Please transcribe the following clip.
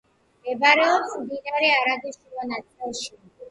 მდებარეობს მდინარე არაგვის შუა წელში.